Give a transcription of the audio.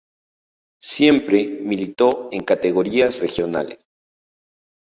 Siempre militó en categorías regionales.